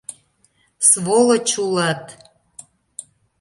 Сволочь улат!..